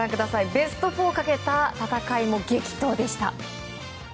ベスト４をかけた戦いも激闘でした。